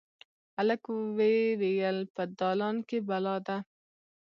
هلک ویې ویل: «په دالان کې بلا ده.»